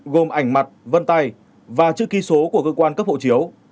gồm ảnh mặt vân tay và chữ ký số của cơ quan cấp hộ chiếu